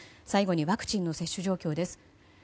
最後にワクチンの接種状況です。